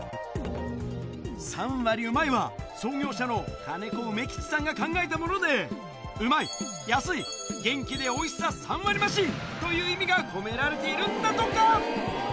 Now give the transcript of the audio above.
３割うまい！は、創業者の金子梅吉さんが考えたもので、うまい、安い、元気でおいしさ３割増しという意味が込められているんだとか。